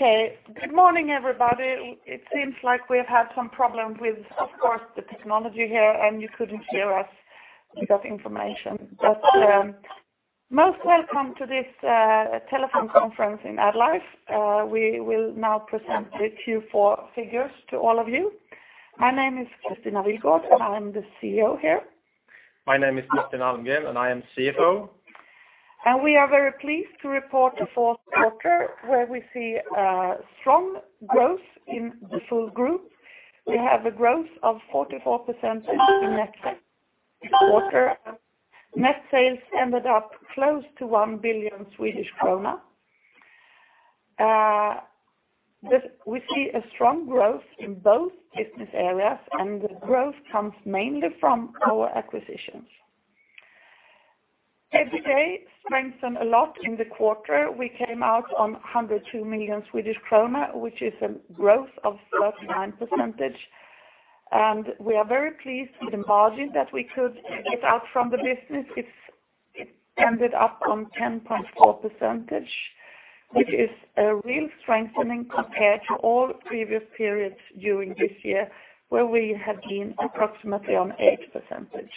Okay. Good morning, everybody. It seems like we have had some problem with, of course, the technology here, and you couldn't hear us, because information. Most welcome to this telephone conference in AddLife. We will now present the Q4 figures to all of you. My name is Kristina Willgård, and I'm the CEO here. My name is Martin Almgren, and I am CFO. We are very pleased to report a fourth quarter where we see a strong growth in the full group. We have a growth of 44% in net sales this quarter. Net sales ended up close to 1 billion Swedish krona. We see a strong growth in both business areas, and the growth comes mainly from our acquisitions. EBITDA strengthened a lot in the quarter. We came out on 102 million Swedish krona, which is a growth of 39%. We are very pleased with the margin that we could get out from the business. It ended up on 10.4%, which is a real strengthening compared to all previous periods during this year, where we have been approximately on 8%.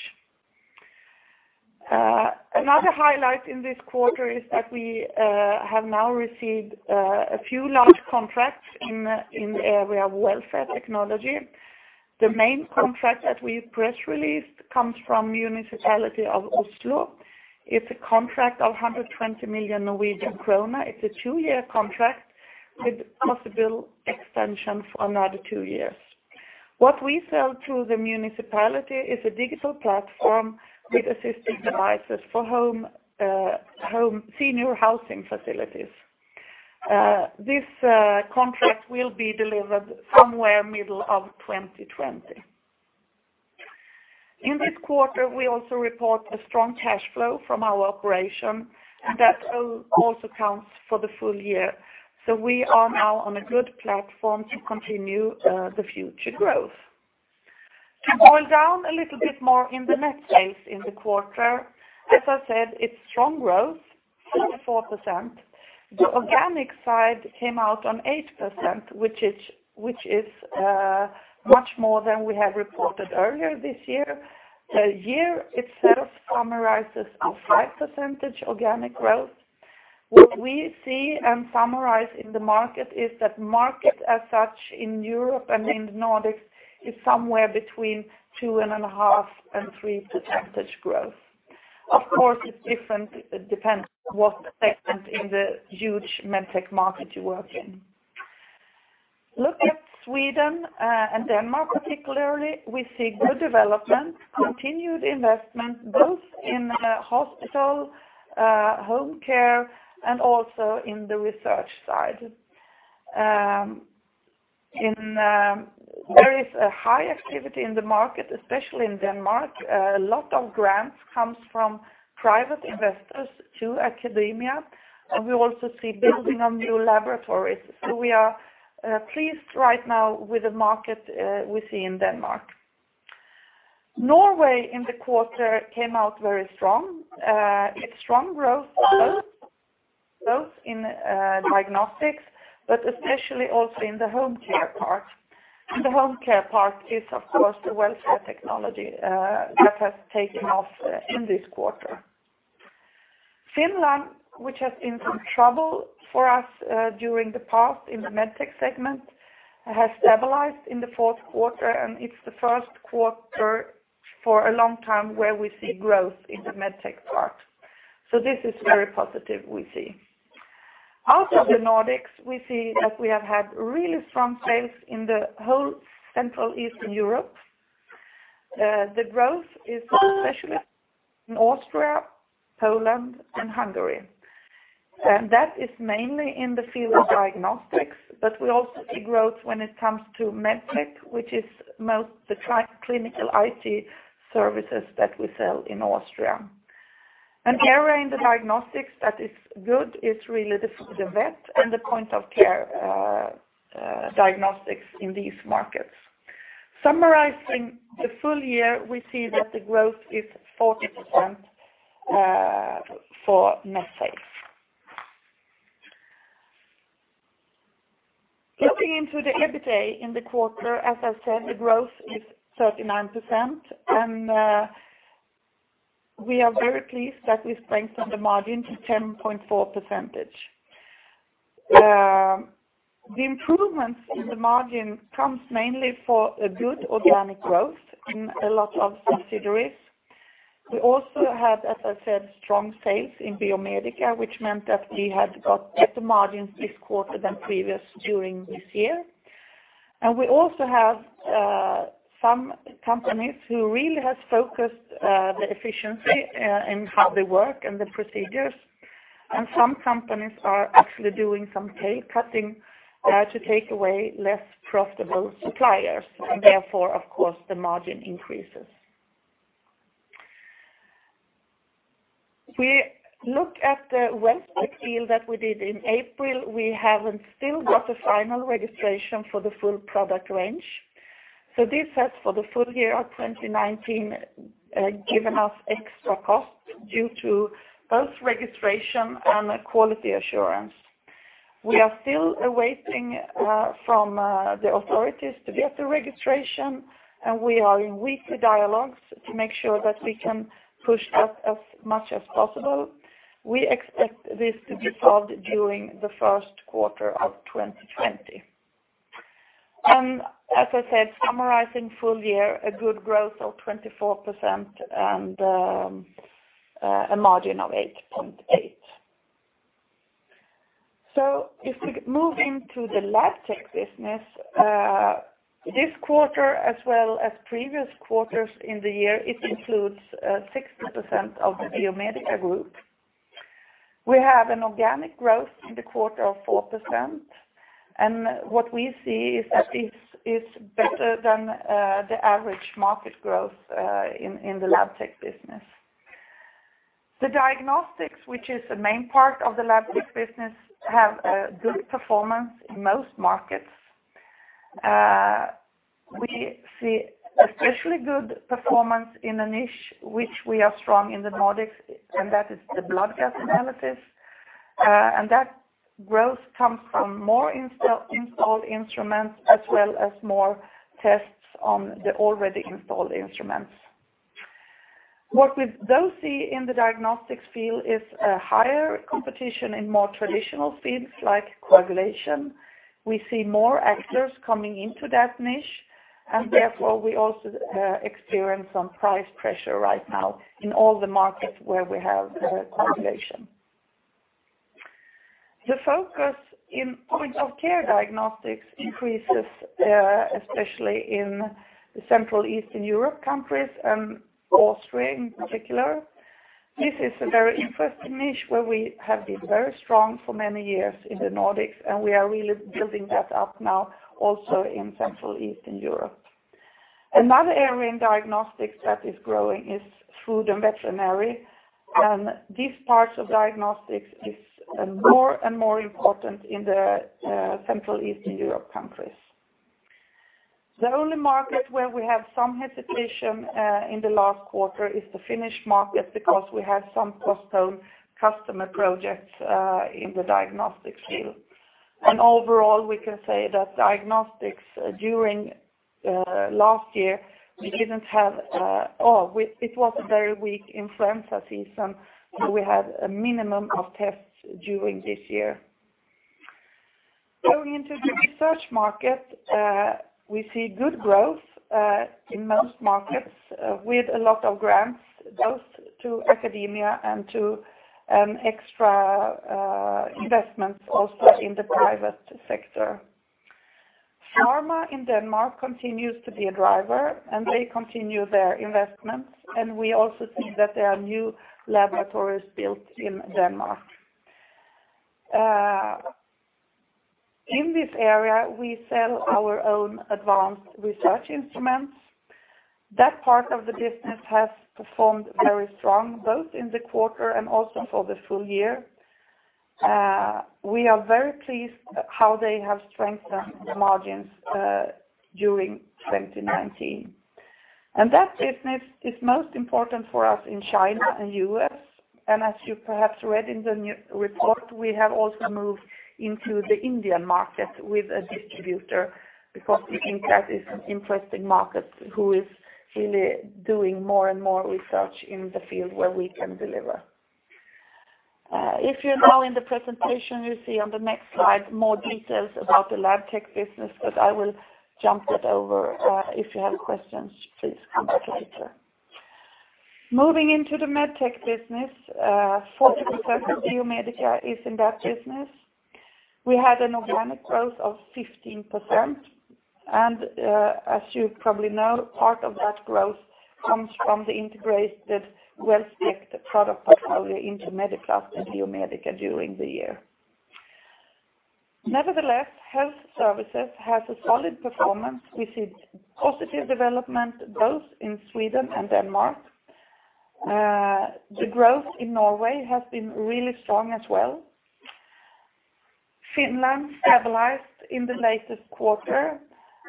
Another highlight in this quarter is that we have now received a few large contracts in the area of welfare technology. The main contract that we press released comes from Municipality of Oslo. It's a contract of 120 million Norwegian krone. It's a two-year contract with possible extension for another two years. What we sell to the municipality is a digital platform with assistive devices for home senior housing facilities. This contract will be delivered somewhere middle of 2020. In this quarter, we also report a strong cash flow from our operation, and that also counts for the full year. We are now on a good platform to continue the future growth. To boil down a little bit more in the net sales in the quarter, as I said, it's strong growth, 44%. The organic side came out on 8%, which is much more than we had reported earlier this year. The year itself summarizes a 5% organic growth. What we see and summarize in the market is that market as such in Europe and in the Nordics is somewhere between 2.5% And 3% growth. Of course, it depends what segment in the huge Medtech market you work in. Look at Sweden and Denmark particularly, we see good development, continued investment both in hospital home care and also in the research side. There is a high activity in the market, especially in Denmark. A lot of grants comes from private investors to academia, and we also see building of new laboratories. We are pleased right now with the market we see in Denmark. Norway in the quarter came out very strong. It's strong growth both in diagnostics, but especially also in the home care part. The home care part is, of course, the welfare technology that has taken off in this quarter. Finland, which has been some trouble for us during the past in the Medtech segment, has stabilized in the fourth quarter, and it's the first quarter for a long time where we see growth in the Medtech part. This is very positive we see. Out of the Nordics, we see that we have had really strong sales in the whole Central Eastern Europe. The growth is especially in Austria, Poland, and Hungary. That is mainly in the field of diagnostics, but we also see growth when it comes to Medtech, which is most the clinical IT services that we sell in Austria. An area in the diagnostics that is good is really the vet and the point of care diagnostics in these markets. Summarizing the full year, we see that the growth is 40% for net sales. Looking into the EBITDA in the quarter, as I said, the growth is 39%, we are very pleased that we strengthened the margin to 10.4%. The improvements in the margin comes mainly for a good organic growth in a lot of subsidiaries. We also had, as I said, strong sales in Biomedica, which meant that we had got better margins this quarter than previous during this year. We also have some companies who really has focused their efficiency in how they work and the procedures, and some companies are actually doing some cutting to take away less profitable suppliers. Therefore, of course, the margin increases. We look at the welfare deal that we did in April. We haven't still got a final registration for the full product range. This has, for the full year of 2019, given us extra costs due to both registration and quality assurance. We are still awaiting from the authorities to get the registration, and we are in weekly dialogues to make sure that we can push that as much as possible. We expect this to be solved during the first quarter of 2020. As I said, summarizing full year, a good growth of 24% and a margin of 8.8%. If we move into the Labtech business, this quarter as well as previous quarters in the year, it includes 60% of the Biomedica group. We have an organic growth in the quarter of 4%, and what we see is that it's better than the average market growth in the Labtech business. The diagnostics, which is the main part of the Labtech business, have a good performance in most markets. We see especially good performance in a niche which we are strong in the Nordics, and that is the blood gas analysis. That growth comes from more installed instruments, as well as more tests on the already installed instruments. What we don't see in the diagnostics field is a higher competition in more traditional fields like coagulation. We see more actors coming into that niche, and therefore, we also experience some price pressure right now in all the markets where we have coagulation. The focus in point of care diagnostics increases, especially in the Central Eastern Europe countries and Austria in particular. This is a very interesting niche where we have been very strong for many years in the Nordics, and we are really building that up now also in Central Eastern Europe. Another area in diagnostics that is growing is food and veterinary, and this part of diagnostics is more and more important in the Central Eastern Europe countries. The only market where we have some hesitation in the last quarter is the Finnish market because we have some postponed customer projects in the diagnostics field. Overall, we can say that diagnostics during last year, it was a very weak influenza season, so we had a minimum of tests during this year. Going into the research market, we see good growth in most markets with a lot of grants, both to academia and to extra investments also in the private sector. Pharma in Denmark continues to be a driver. They continue their investments, and we also see that there are new laboratories built in Denmark. In this area, we sell our own advanced research instruments. That part of the business has performed very strong, both in the quarter and also for the full year. We are very pleased how they have strengthened the margins during 2019. That business is most important for us in China and U.S. As you perhaps read in the new report, we have also moved into the Indian market with a distributor because we think that is an interesting market who is really doing more and more research in the field where we can deliver. If you're now in the presentation, you see on the next slide more details about the Labtech business, but I will jump that over. If you have questions, please come back later. Moving into the Medtech business, 40% of Biomedica is in that business. We had an organic growth of 15%, and as you probably know, part of that growth comes from the integrated Wellspect product portfolio into Mediplast and Biomedica during the year. Nevertheless, health services has a solid performance. We see positive development both in Sweden and Denmark. The growth in Norway has been really strong as well. Finland stabilized in the latest quarter,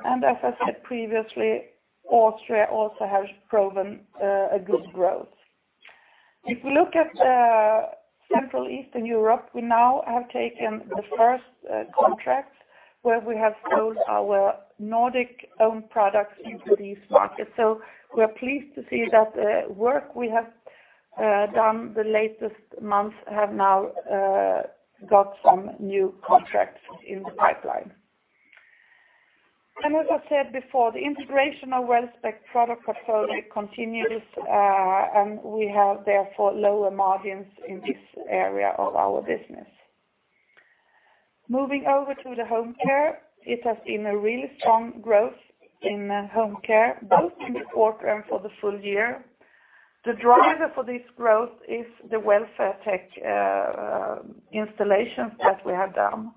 and as I said previously, Austria also has proven a good growth. If we look at the Central Eastern Europe, we now have taken the first contract where we have sold our Nordic own products into these markets. We are pleased to see that the work we have done the latest months have now got some new contracts in the pipeline. As I said before, the integration of Wellspect product portfolio continues, and we have therefore lower margins in this area of our business. Moving over to the home care, it has been a really strong growth in home care, both in the quarter and for the full year. The driver for this growth is the welfare tech installations that we have done.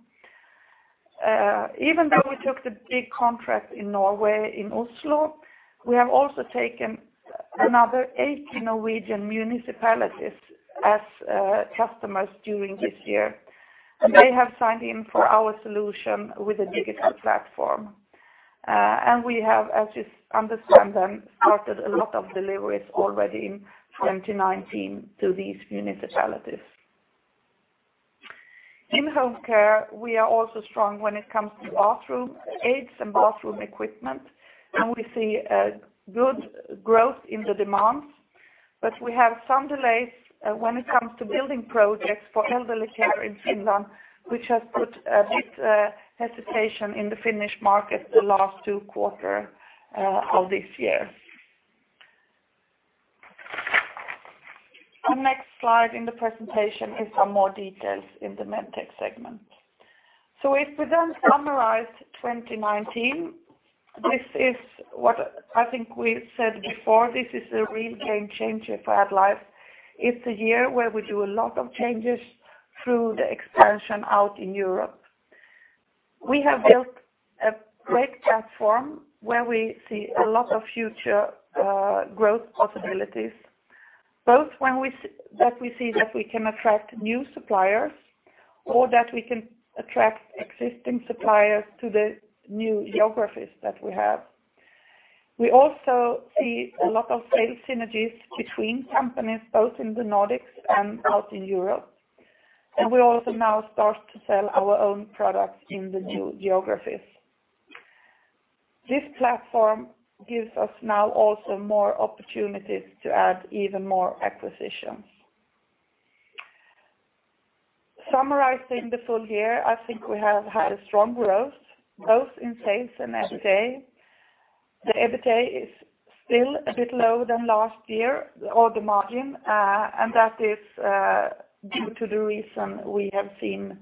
Even though we took the big contract in Norway in Oslo, we have also taken another 80 Norwegian municipalities as customers during this year. They have signed in for our solution with a digital platform. We have, as you understand then, started a lot of deliveries already in 2019 to these municipalities. In home care, we are also strong when it comes to bathroom aids and bathroom equipment, and we see a good growth in the demands. We have some delays when it comes to building projects for elderly care in Finland, which has put a bit hesitation in the Finnish market the last two quarter of this year. The next slide in the presentation is some more details in the Medtech segment. If we then summarize 2019, this is what I think we said before, this is a real game changer for AddLife. It's a year where we do a lot of changes through the expansion out in Europe. We have built a great platform where we see a lot of future growth possibilities, both that we see that we can attract new suppliers or that we can attract existing suppliers to the new geographies that we have. We also see a lot of sales synergies between companies both in the Nordics and out in Europe. We also now start to sell our own products in the new geographies. This platform gives us now also more opportunities to add even more acquisitions. Summarizing the full year, I think we have had a strong growth both in sales and EBITDA. The EBITDA is still a bit low than last year or the margin. That is due to the reason we have seen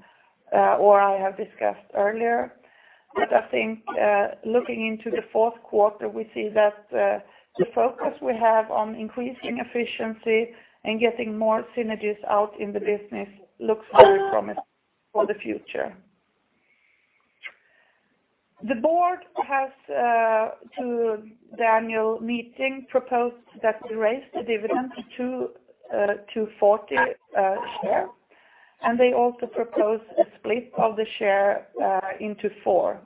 or I have discussed earlier. I think looking into the fourth quarter, we see that the focus we have on increasing efficiency and getting more synergies out in the business looks very promising for the future. The board has to the annual meeting proposed that we raise the dividend to 4.00 per share, and they also propose a split of the share into four.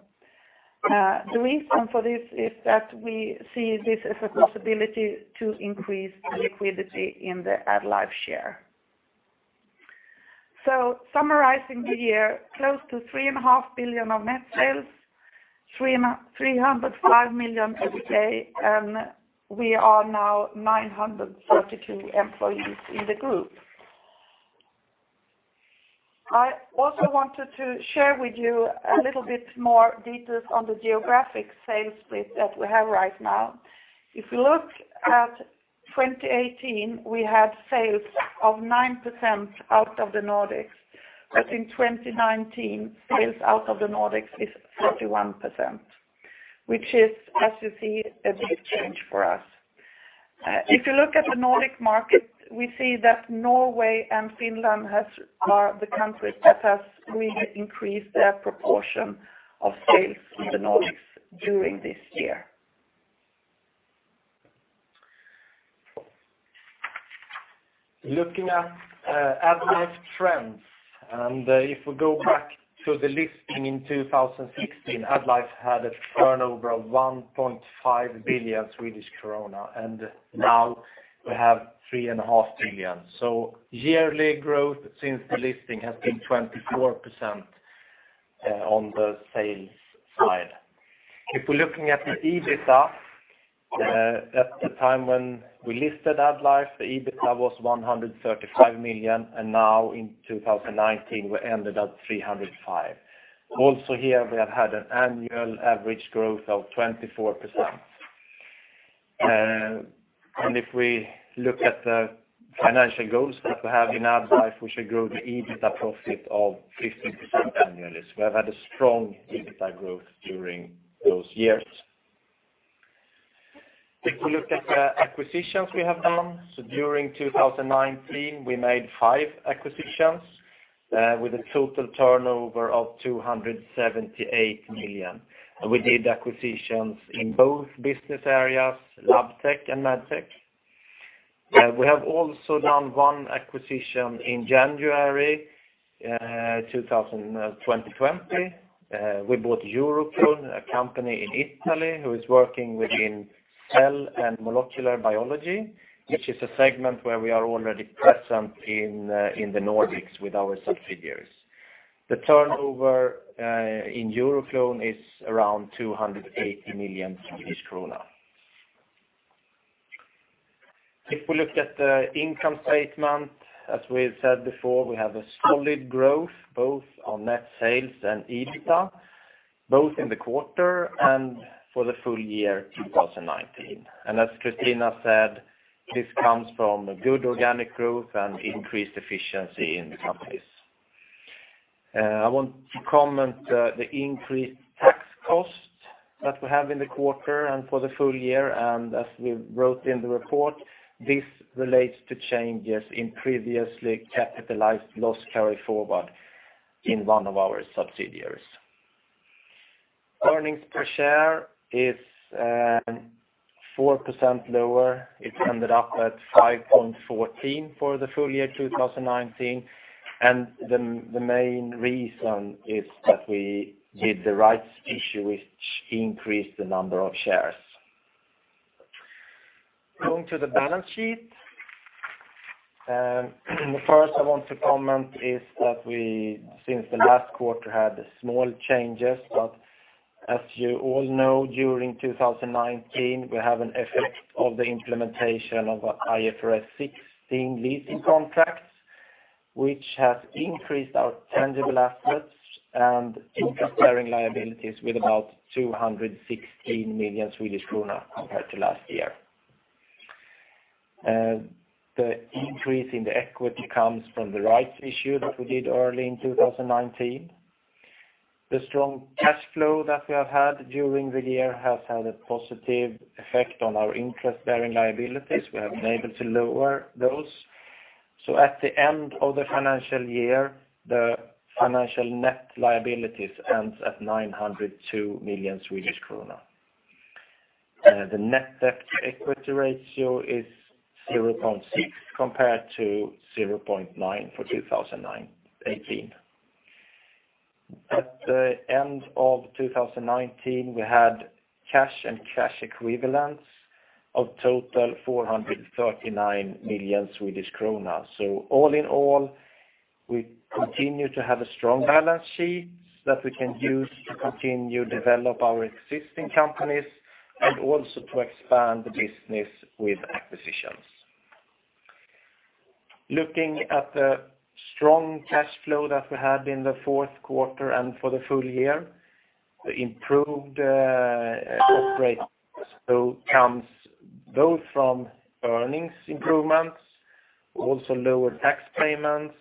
The reason for this is that we see this as a possibility to increase liquidity in the AddLife share. Summarizing the year, close to 3.5 Billion of net sales, 305 million EBITDA, and we are now 932 employees in the group. I also wanted to share with you a little bit more details on the geographic sales split that we have right now. If you look at 2018, we had sales of 9% out of the Nordics. In 2019, sales out of the Nordics is 31%, which is, as you see, a big change for us. If you look at the Nordic market, we see that Norway and Finland are the countries that have really increased their proportion of sales in the Nordics during this year. Looking at AddLife trends, if we go back to the listing in 2016, AddLife had a turnover of 1.5 billion Swedish krona, and now we have 3.5 billion. Yearly growth since the listing has been 24% on the sales side. If we're looking at the EBITDA, at the time when we listed AddLife, the EBITDA was 135 million, and now in 2019, we ended at 305 million. Also here, we have had an annual average growth of 24%. If we look at the financial goals that we have in AddLife, we should grow the EBITDA profit of 15% annually. We have had a strong EBITDA growth during those years. If we look at the acquisitions we have done, during 2019, we made five acquisitions with a total turnover of 278 million. We did acquisitions in both business areas, Labtech and Medtech. We have also done one acquisition in January 2020. We bought Euroclone, a company in Italy who is working within cell and molecular biology, which is a segment where we are already present in the Nordics with our subsidiaries. The turnover in Euroclone is around SEK 280 million. If we look at the income statement, as we've said before, we have a solid growth both on net sales and EBITDA, both in the quarter and for the full year 2019. As Kristina said, this comes from good organic growth and increased efficiency in the companies. I want to comment the increased tax costs that we have in the quarter and for the full year. As we wrote in the report, this relates to changes in previously capitalized loss carryforward in one of our subsidiaries. Earnings per share is 4% lower. It ended up at 5.14 for the full year 2019. The main reason is that we did the rights issue, which increased the number of shares. Going to the balance sheet. First I want to comment is that we, since the last quarter, had small changes, but as you all know, during 2019, we have an effect of the implementation of IFRS 16 leasing contracts, which has increased our tangible assets and interest-bearing liabilities with about 216 million Swedish kronor compared to last year. The increase in the equity comes from the rights issue that we did early in 2019. The strong cash flow that we have had during the year has had a positive effect on our interest-bearing liabilities. We have been able to lower those. At the end of the financial year, the financial net liabilities ends at 902 million Swedish krona. The net debt-to-equity ratio is 0.6 compared to 0.9 for 2018. At the end of 2019, we had cash and cash equivalents of total 439 million Swedish krona. All in all, we continue to have a strong balance sheet that we can use to continue develop our existing companies and also to expand the business with acquisitions. Looking at the strong cash flow that we had in the fourth quarter and for the full year, the improved operating cash flow comes both from earnings improvements, also lower tax payments,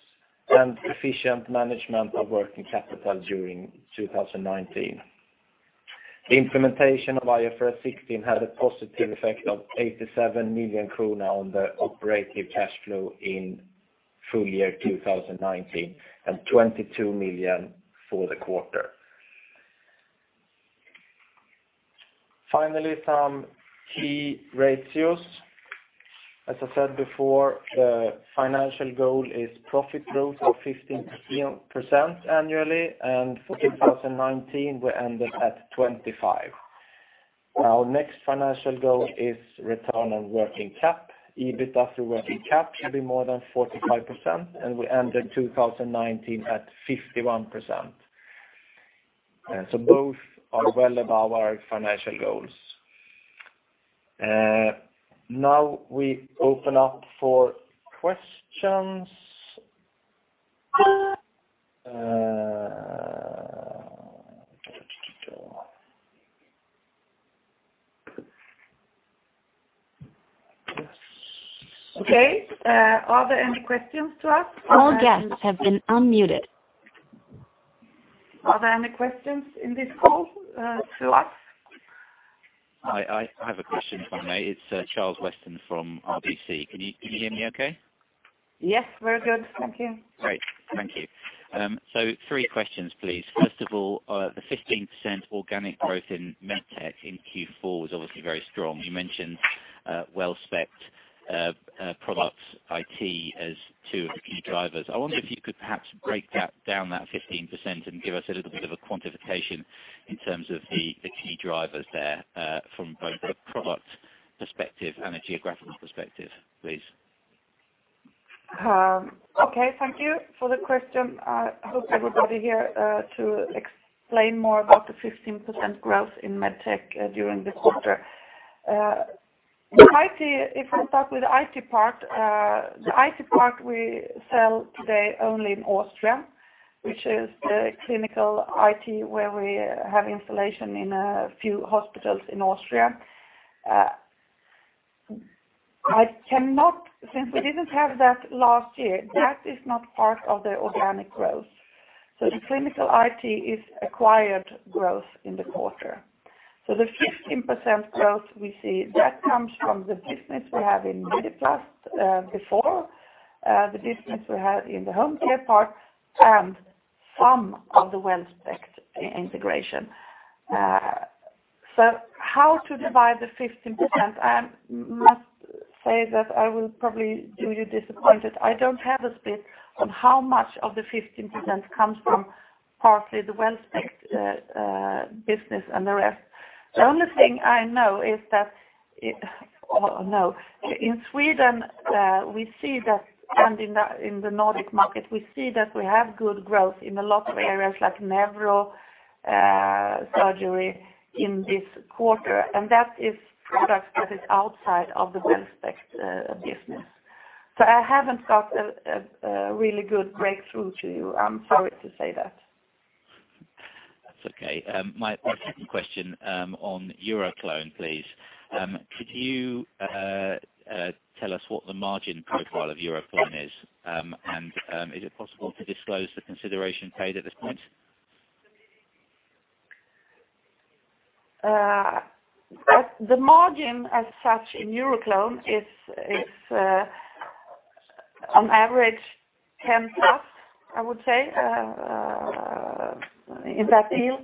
and efficient management of working capital during 2019. The implementation of IFRS 16 had a positive effect of 87 million kronor on the operating cash flow in full year 2019 and 22 million for the quarter. Finally, some key ratios. As I said before, the financial goal is profit growth of 15% annually, and for 2019, we ended at 25%. Our next financial goal is return on working cap. EBITDA through working cap should be more than 45%, and we ended 2019 at 51%. Both are well above our financial goals. Now we open up for questions. Okay. Are there any questions to ask? All guests have been unmuted. Are there any questions in this call to us? I have a question for Martin. It's Charles Weston from RBC. Can you hear me okay? Yes, very good. Thank you. Great. Thank you. Three questions, please. First of all, the 15% organic growth in Medtech in Q4 was obviously very strong. You mentioned Wellspect products IT as two of the key drivers. I wonder if you could perhaps break down that 15% and give us a little bit of a quantification in terms of the key drivers there from both a product perspective and a geographical perspective, please. Okay. Thank you for the question. I hope everybody here to explain more about the 15% growth in Medtech during the quarter. If we start with the IT part, the IT part we sell today only in Austria, which is the clinical IT where we have installation in a few hospitals in Austria. Since we didn't have that last year, that is not part of the organic growth. The clinical IT is acquired growth in the quarter. The 15% growth we see, that comes from the business we have in Mediplast before, the business we have in the home care part, and some of the Wellspect integration. How to divide the 15%? I must say that I will probably do you disappointed. I don't have a split on how much of the 15% comes from partly the Wellspect business and the rest. The only thing I know. No. In Sweden and in the Nordic market, we see that we have good growth in a lot of areas like neurosurgery in this quarter, and that is products that is outside of the Wellspect business. I haven't got a really good breakthrough to you. I'm sorry to say that. That's okay. My second question on Euroclone, please. Could you tell us what the margin profile of Euroclone is? Is it possible to disclose the consideration paid at this point? The margin as such in Euroclone is on average, 10+, I would say, in that deal,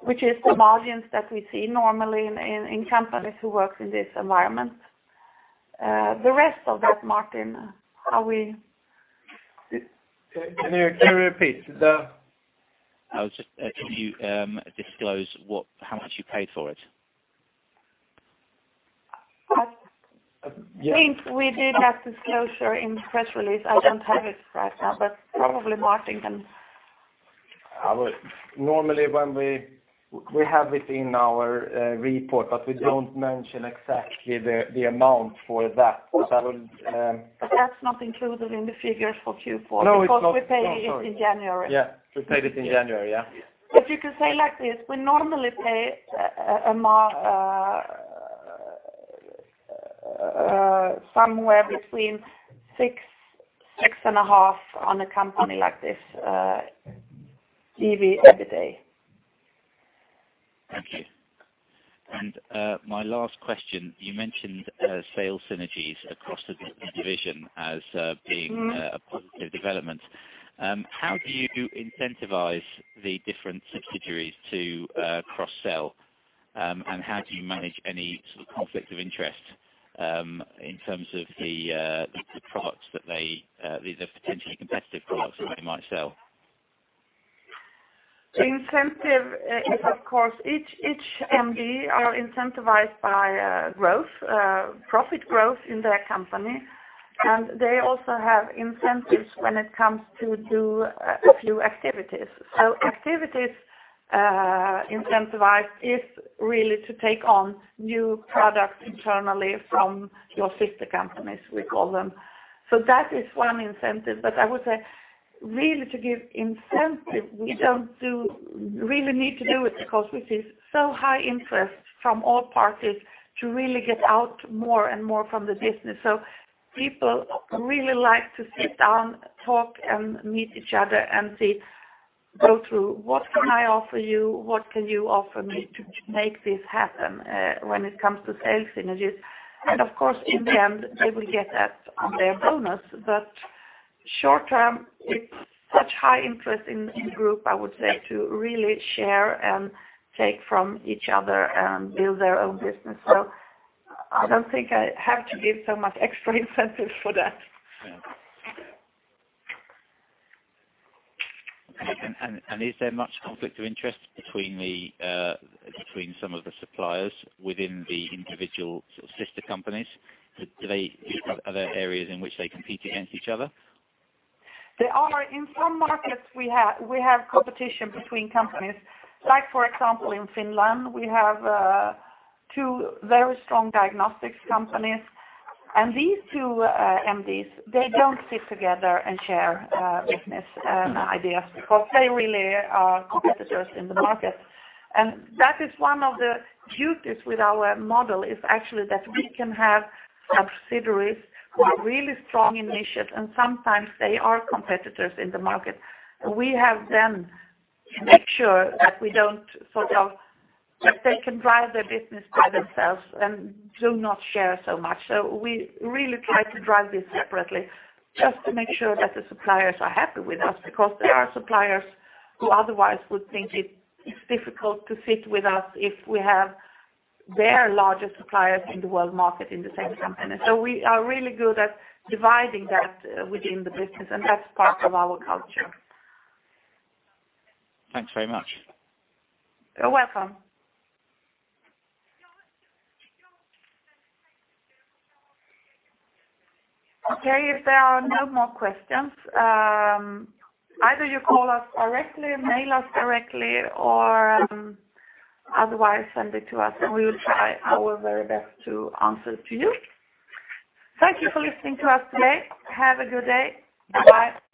which is the margins that we see normally in companies who work in this environment. The rest of that, Martin. Can you repeat? Can you disclose how much you paid for it? I think we did have disclosure in the press release. I don't have it right now, but probably Martin can. I would. Normally, we have it in our report, but we don't mention exactly the amount for that. That's not included in the figures for Q4. No, it's not. Because we paid it in January. Yeah. We paid it in January, yeah. You can say like this, we normally pay somewhere between six and half on a company like this, EV/EBITDA. Thank you. My last question, you mentioned sales synergies across the division as being a positive development. How do you incentivize the different subsidiaries to cross-sell? How do you manage any sort of conflict of interest, in terms of the products, these are potentially competitive products that they might sell? Incentive is, of course, each MD are incentivized by growth, profit growth in their company. They also have incentives when it comes to do a few activities. Activities, incentivized is really to take on new products internally from your sister companies, we call them. That is one incentive. I would say, really to give incentive, we don't really need to do it because we see so high interest from all parties to really get out more and more from the business. People really like to sit down, talk, and meet each other and see, go through, what can I offer you? What can you offer me to make this happen, when it comes to sales synergies. Of course, in the end, they will get that on their bonus. Short-term, it's such high interest in the group, I would say, to really share and take from each other and build their own business. I don't think I have to give so much extra incentive for that. Yeah. Is there much conflict of interest between some of the suppliers within the individual sister companies? Do they have other areas in which they compete against each other? There are. In some markets, we have competition between companies. Like for example, in Finland, we have two very strong diagnostics companies. These two MDs, they don't sit together and share business ideas because they really are competitors in the market. That is one of the beauties with our model, is actually that we can have subsidiaries who are really strong in niches, and sometimes they are competitors in the market. We have them make sure that they can drive their business by themselves and do not share so much. We really try to drive this separately just to make sure that the suppliers are happy with us, because there are suppliers who otherwise would think it's difficult to fit with us if we have their largest suppliers in the world market in the same company. We are really good at dividing that within the business, and that's part of our culture. Thanks very much. You are welcome. If there are no more questions, either you call us directly, mail us directly, or otherwise, send it to us and we will try our very best to answer to you. Thank you for listening to us today. Have a good day. Bye-bye.